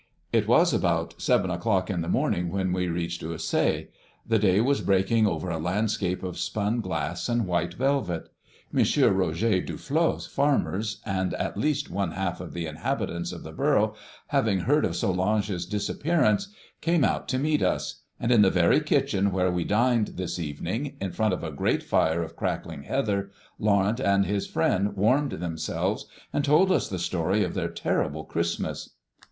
"It was about seven o'clock in the morning when we reached Ursay. The day was breaking over a landscape of spun glass and white velvet. M. Roger Duflos' farmers and at least one half of the inhabitants of the borough, having heard of Solange's disappearance, came out to meet us; and in the very kitchen where we dined this evening, in front of a great fire of crackling heather, Laurent and his friend warmed themselves and told us the story of their terrible Christmas."